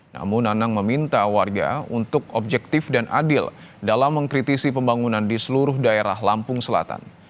namun nanang meminta warga untuk objektif dan adil dalam mengkritisi pembangunan di seluruh daerah lampung selatan